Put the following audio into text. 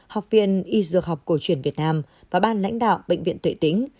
học viên y dược học cổ truyền việt nam và ban lãnh đạo bệnh viện tự tính